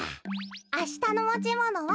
あしたのもちものは。